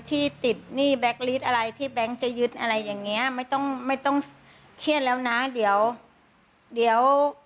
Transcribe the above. ที่ติดหนี้แบ็คลิสอะไรที่แบงค์จะยึดอะไรอย่างเงี้ย